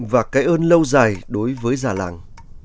và cái ơn lâu dài đối với giả làng